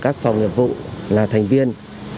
các phòng nghiệp vụ là thành viên